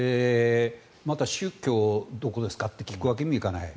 また、宗教どこですかって聞くわけにもいかない。